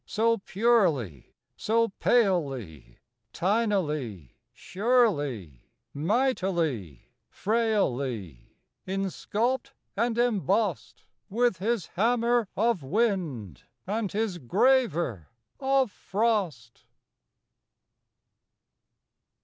So purely, so palely, Tinily, surely, Mightily, frailly, Insculped and embossed, With His hammer of wind, And His graver of frost."